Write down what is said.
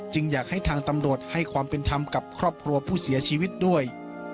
อยากให้ทางตำรวจให้ความเป็นธรรมกับครอบครัวผู้เสียชีวิตด้วย